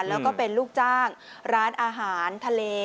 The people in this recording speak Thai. แล้วก็เป็นลูกจ้างร้านอาหารทะเล